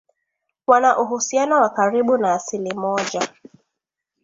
wana uhusiano wa karibu na asili moja